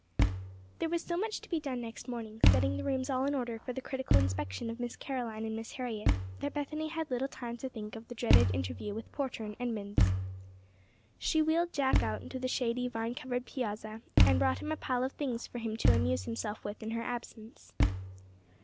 THERE was so much to be done next morning, setting the rooms all in order for the critical inspection of Miss Caroline and Miss Harriet, that Bethany had little time to think of the dreaded interview with Porter & Edmunds. She wheeled Jack out into the shady, vine covered piazza, and brought him a pile of things for him to amuse himself with in her absence.